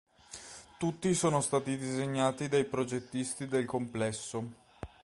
Tutti sono stati disegnati dai progettisti del complesso.